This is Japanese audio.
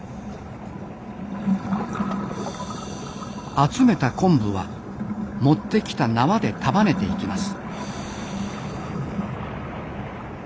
集めた昆布は持ってきた縄で束ねていきます。